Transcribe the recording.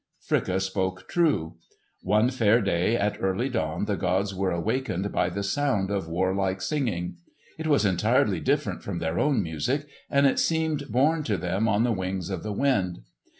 Fricka spoke true. One fair day at early dawn the gods were awakened by the sound of war like singing. It was entirely different from their own music, and it seemed borne to them on the wings of the wind.